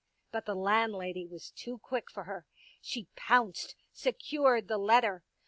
But the landlady was too quick for her. She pounced, secured the letter.